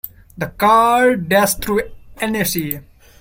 The car dashed through Annecy.